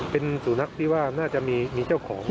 เป็นสุนัขที่ว่าน่าจะมีเจ้าของ